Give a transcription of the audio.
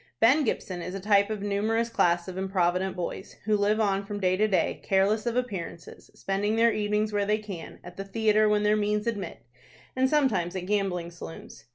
Ben Gibson is a type of a numerous class of improvident boys, who live on from day to day, careless of appearances, spending their evenings where they can, at the theatre when their means admit, and sometimes at gambling saloons.